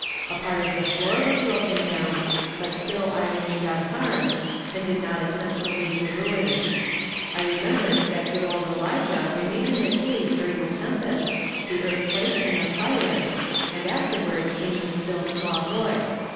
A part of the floor was broken down, but still I remained unharmed, and did not attempt to leave the ruins. I remembered that good old Elijah remained in the cave during the tempest, the earthquake and the fire, and afterward came the still small voice.